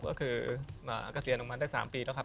ก็คือกระเสียนออกมาได้สามปีแล้วครับ